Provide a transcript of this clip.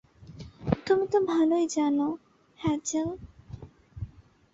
তুমি তো ভালোই জানো, হ্যাজেল।